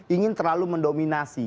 ingin terlalu mendominasi